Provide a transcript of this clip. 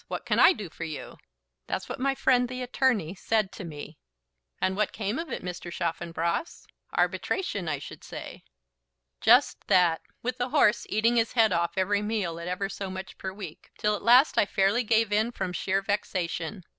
What can I do for you?' That's what my friend, the attorney, said to me." "And what came of it, Mr. Chaffanbrass? Arbitration, I should say?" "Just that; with the horse eating his head off every meal at ever so much per week, till at last I fairly gave in from sheer vexation.